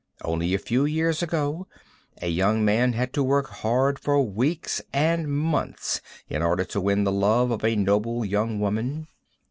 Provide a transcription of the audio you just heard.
Only a few years ago, a young man had to work hard for weeks and months in order to win the love of a noble young woman.